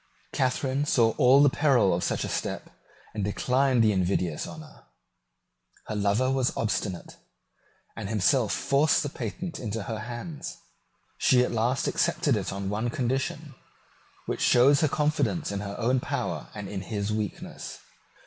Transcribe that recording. Catharine saw all the peril of such a step, and declined the invidious honour. Her lover was obstinate, and himself forced the patent into her hands. She at last accepted it on one condition, which shows her confidence in her own power and in his weakness.